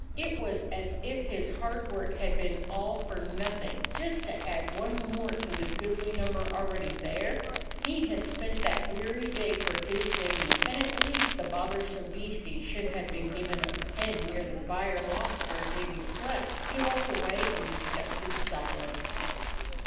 It was as if his hard work had been all for nothing; just to add one more to the goodly number already there. He had spent that weary day for his Jamie, and at least the bothersome beastie should have been given a pen near the byre loft where Jamie slept. He walked away in disgusted silence.